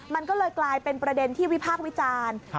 มันก็เลยกลายเป็นประเด็นที่วิพากษ์วิจารณ์